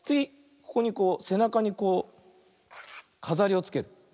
ここにこうせなかにこうかざりをつける。